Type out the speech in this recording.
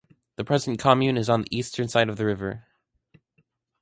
The present comune is on the eastern side of the river.